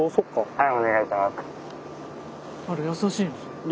はい。